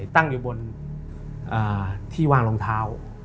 ตั้งอยู่บนที่วางรองเท้า